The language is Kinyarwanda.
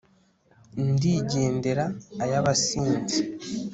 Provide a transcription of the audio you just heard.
ndigendera ay'abasinzi